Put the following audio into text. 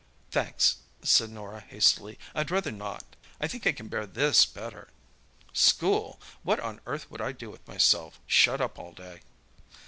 "Thanks," said Norah hastily, "I'd rather not. I think I can bear this better. School! What on earth would I do with myself, shut up all day?"